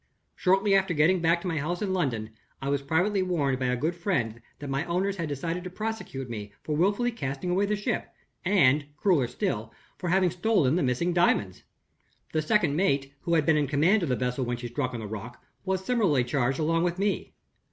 "Shortly after getting back to my house in London, I was privately warned by a good friend that my owners had decided to prosecute me for willfully casting away the ship, and (crueler still) for having stolen the missing diamonds. The second mate, who had been in command of the vessel when she struck on the rock, was similarly charged along with me.